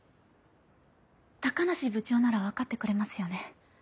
高梨部長なら分かってくれますよね？